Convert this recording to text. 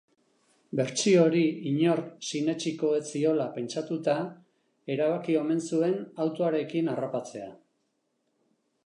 Bertsio hori inork sinetsiko ez ziola pentsatuta erabaki omen zuen autoarekin harrapatzea.